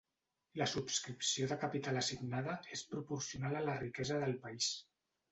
La subscripció de capital assignada és proporcional a la riquesa del país.